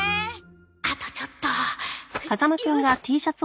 あとちょっとよし！